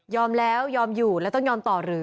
แล้วยอมอยู่แล้วต้องยอมต่อหรือ